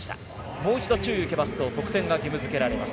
もう一度注意を受けますと得点が義務付けられます。